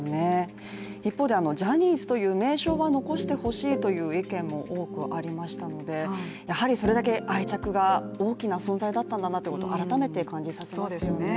一方でジャニーズという名称は残してほしいという意見も多くありましたので、やはりそれだけ愛着が大きな存在だったんだなということを改めて感じさせられますよね。